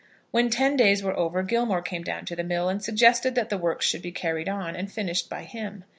When ten days were over, Gilmore came down to the mill, and suggested that the works should be carried on and finished by him.